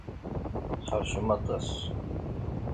Tḥeṛcem aṭas.